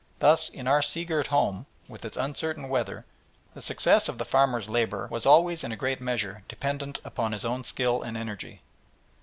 Thus in our sea girt home, with its uncertain weather, the success of the farmer's labours was always in a great measure dependent upon his own skill and energy.